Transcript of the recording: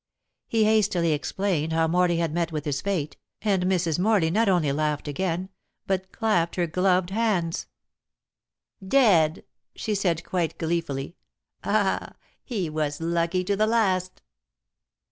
He hastily explained how Morley had met with his fate, and Mrs. Morley not only laughed again, but clapped her gloved hands. "Dead!" she said quite gleefully. "Ah! he was lucky to the last."